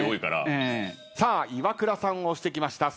イワクラさん押してきました。